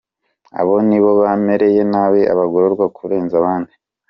Abo nibo bamereye nabi abagororwa kurenza abandi.